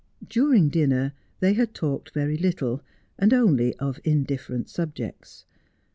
During dinner they had talked very little, and only of indif ferent subjects.